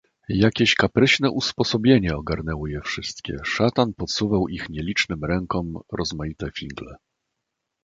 "Jakieś kapryśne usposobienie ogarnęło je wszystkie; szatan podsuwał ich nieczynnym rękom rozmaite figle."